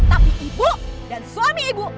tapi ibu dan suami ibu